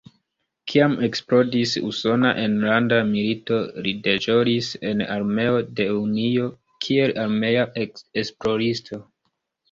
Kiam eksplodis Usona enlanda milito, li deĵoris en armeo de Unio kiel armea esploristo.